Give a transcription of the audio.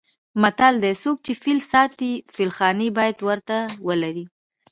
متل دی: څوک چې فیل ساتي فیل خانې باید ورته ولري.